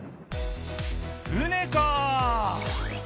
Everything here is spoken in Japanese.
船か！